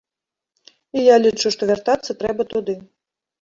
І я лічу, што вяртацца трэба туды.